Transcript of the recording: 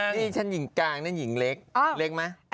ถ้าฉันอยั่งกัฎยิงเล็กเล็กมา